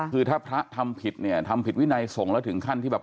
คือถ้าพระทำผิดเนี่ยทำผิดวินัยส่งแล้วถึงขั้นที่แบบ